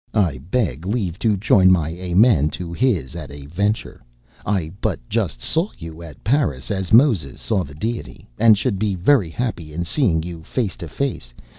I beg leave to join my Amen to his at a venture. I but just saw you at Paris as Moses saw the Deity, and should be very happy in seeing you face to face.